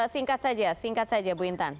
singkat saja singkat saja bu intan